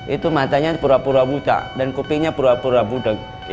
itu matanya pura pura buta dan kopinya pura pura budeg